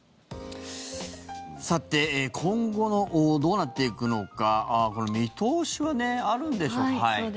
さて、今後、どうなっていくのか見通しはあるんでしょうか？